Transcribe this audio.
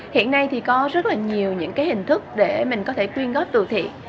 hiện nay thì có rất là nhiều những cái hình thức để mình có thể quyên góp từ thiện